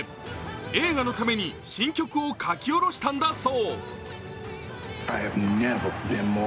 映画のために新曲を書き下ろしたんだそう。